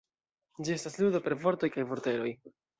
Ĝi estas ludo per vortoj kaj vorteroj.